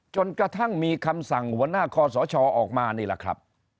จนกระทั่งมีคำสั่งหัวหน้าคอสชออกมานี่แหละครับ